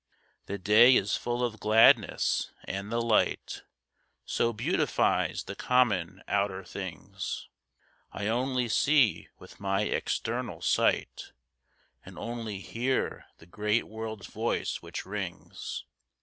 The day is full of gladness, and the light So beautifies the common outer things, I only see with my external sight, And only hear the great world's voice which rings.